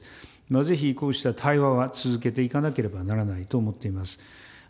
ぜひこうした対話は続けていかなければならないと思っています。